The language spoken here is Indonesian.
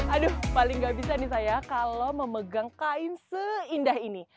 aduh paling gak bisa nih saya kalau memegang kain seindah ini